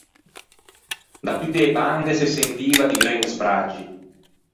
Da tutte e bande se sentiva di gren sbraggi.